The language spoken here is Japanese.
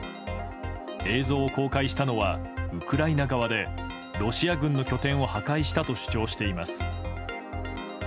映像を公開したのはウクライナ側でロシア軍の拠点を破壊したと主張しています。